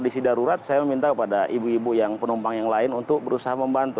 kondisi darurat saya meminta kepada ibu ibu yang penumpang yang lain untuk berusaha membantu